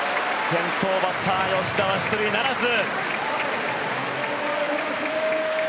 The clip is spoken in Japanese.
先頭バッター、吉田は出塁ならず。